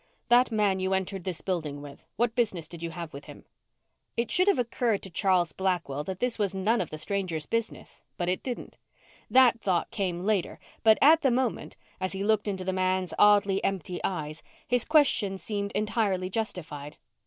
"That man you entered this building with what business did you have with him?" It should have occurred to Charles Blackwell that this was none of the stranger's business, but it didn't. That thought came later but, at the moment, as he looked into the man's oddly empty eyes, his question seemed entirely justified.